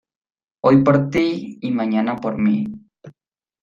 Hoy por ti, y mañana por mi.